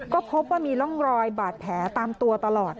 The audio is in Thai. ก็พบว่ามีร่องรอยบาดแผลตามตัวตลอด